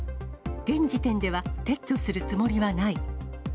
現時点では撤去するつもりはない。